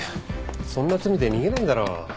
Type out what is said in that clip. そんな罪で逃げないだろう。